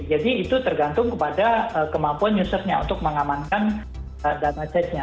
jadi itu tergantung kepada kemampuan usernya untuk mengamankan data chatting nya